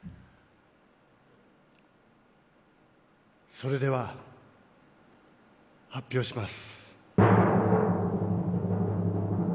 それでは発表します。